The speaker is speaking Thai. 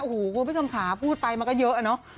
โหคุณผู้ชมขาพูดไปมาก็เยอะเนอะ